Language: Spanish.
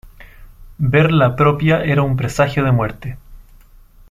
Ver la propia era un presagio de muerte.